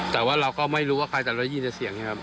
แต่ว่าเราก็ไม่รู้ว่าใครแต่เราได้ยินแต่เสียงนะครับ